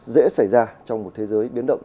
dễ xảy ra trong một thế giới biến động